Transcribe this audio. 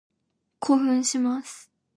興奮します。